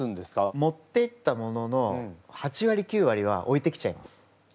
持っていったものの８わり９わりは置いてきちゃいます。